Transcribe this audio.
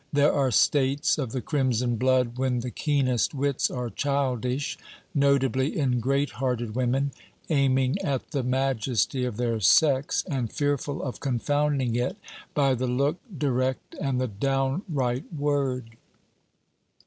There are states of the crimson blood when the keenest wits are childish, notably in great hearted women aiming at the majesty of their sex and fearful of confounding it by the look direct and the downright word.